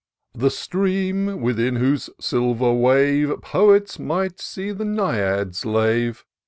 The stream, within whose silver wave Poets might see the Naiads lave.